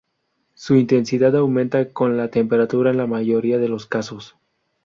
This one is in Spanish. Su intensidad aumenta con la temperatura en la mayoría de los casos.